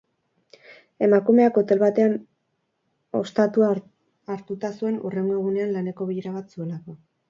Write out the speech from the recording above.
Emakumeak hotel batean ostatua hartuta zuen hurrengo egunean laneko bilera bat zuelako.